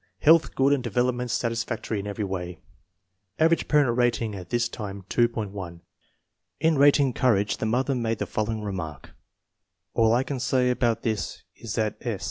Health good and development satis factory in every way. Average parent rating at this time, 2.10. In rating courage the mother made the following remark: " All I can say about this is that S.